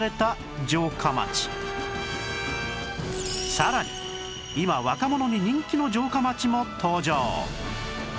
さらに今若者に人気の城下町も登場